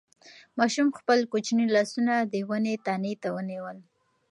ماشوم خپل کوچني لاسونه د ونې تنې ته ونیول.